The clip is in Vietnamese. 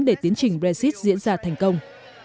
để tiến trình brexit diễn ra thành công